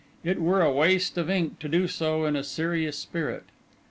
It were a waste of ink to do so in a serious spirit.